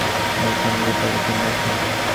চিকিৎসা সামগ্রীগুলো তাঁবুতে রাখো।